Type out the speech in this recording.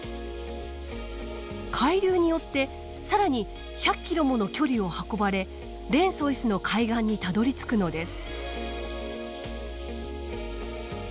海流によって更に１００ｋｍもの距離を運ばれレンソイスの海岸にたどりつくのです。